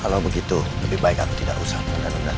kalau begitu lebih baik aku tidak usah mendadak dadak